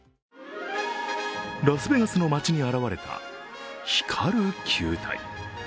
ラスベガスの街に現れた光る球体。